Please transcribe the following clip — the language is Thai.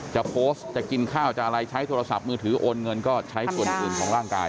จะโพสต์จะกินข้าวจะอะไรใช้โทรศัพท์มือถือโอนเงินก็ใช้ส่วนอื่นของร่างกาย